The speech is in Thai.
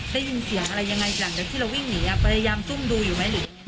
ได้ยินเสียงอะไรยังไงหลังจากที่เราวิ่งหนีพยายามซุ่มดูอยู่ไหมหรือ